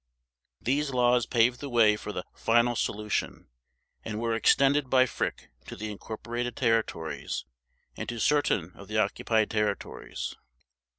These laws paved the way for the "final solution", and were extended by Frick to the incorporated territories and to certain of the occupied territories.